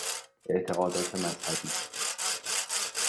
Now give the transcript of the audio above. اعتقادات مذهبی